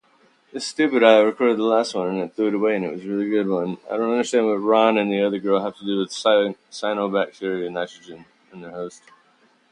The cyanobacteria provide nitrogen to their hosts.